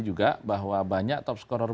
juga bahwa banyak top scorer